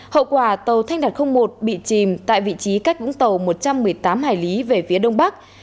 hậu quả tàu thanh đạt một bị chìm tại vị trí cách vũng tàu một trăm một mươi tám hải lý về phía đông bắc